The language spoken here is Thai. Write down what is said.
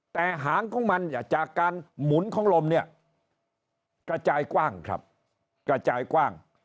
แต่หางของมันจากการหมุนของลมเนี่ยกระจายกว้างครับกระจายกว้าง